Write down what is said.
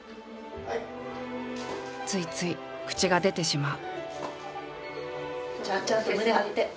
ついつい口が出てしまう。